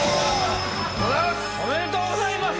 おめでとうございます！